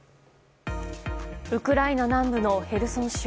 ウクライナ南部のヘルソン州。